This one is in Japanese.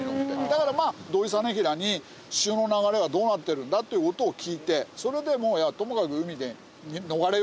だから土肥実平に潮の流れはどうなってるんだ？という事を聞いてそれでもう。